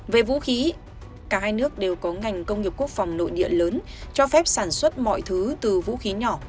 về vũ khí cả hai nước đều có ngành công nghiệp quốc phòng nội địa lớn cho phép sản xuất mọi thứ từ vũ khí nhỏ